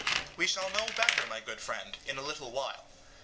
SOCRATES: We shall know better, my good friend, in a little while.